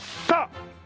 さあ！